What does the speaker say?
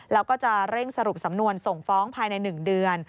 แล้วก็จะเร่งสรุปสำนวนส่งฟ้องภายใน๑เดือน